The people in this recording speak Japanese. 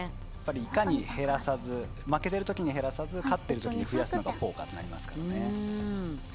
いかに負けている時に減らさず勝っている時に増やすのがポーカーとなります。